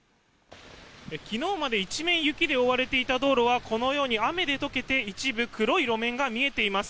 昨日まで一面雪で覆われていた道路はこのように雨で解けて一部黒い路面が見えています。